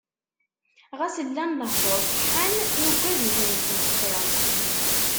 Ɣas llan lehdur ṣeḥḥan, nuggad-iten d ttmesxir.